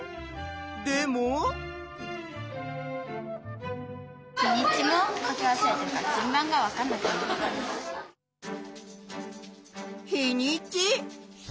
でも？日にち？